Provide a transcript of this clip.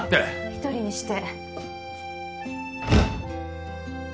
１人にして。